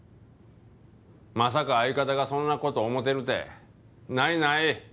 まさか相方がそんな事思ってるってないない。